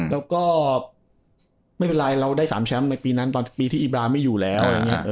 แล้วก็ไม่เป็นไรเราได้๓แชมป์ในปีนั้นตอนปีที่อีบราไม่อยู่แล้ว